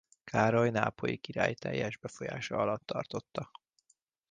Károly nápolyi király teljes befolyása alatt tartotta.